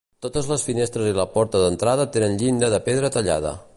Totes les finestres i la porta d'entrada tenen llinda de pedra tallada.